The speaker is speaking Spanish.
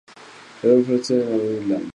Elmer Faucett, entre la Av.